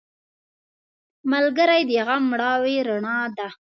ملګری د غم مړاوې رڼا وي